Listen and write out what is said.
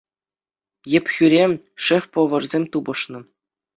Ӗпхӳре шеф-поварсем тупӑшнӑ.